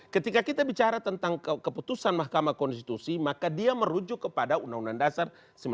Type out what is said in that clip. ketika kita bicara tentang keputusan mahkamah konstitusi maka dia merujuk kepada undang undang dasar seribu sembilan ratus empat puluh lima